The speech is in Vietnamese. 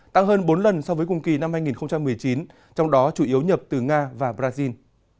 tăng hơn bốn lần so với cùng kỳ năm hai nghìn một mươi chín trong đó chủ yếu nhập từ nga và brazil